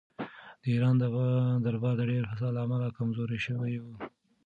د ایران دربار د ډېر فساد له امله کمزوری شوی و.